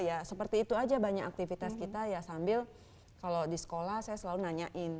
ya seperti itu aja banyak aktivitas kita ya sambil kalau di sekolah saya selalu nanyain